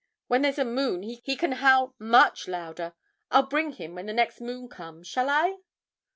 When there's a moon he can howl much louder. I'll bring him when the next moon comes, shall I?'